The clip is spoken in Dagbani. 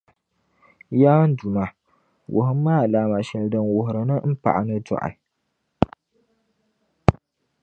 Yaa n Duuma! Wuhimi ma alaama shεli din wuhiri ni m paɣani dɔɣi